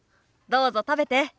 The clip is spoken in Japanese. どうぞ食べて。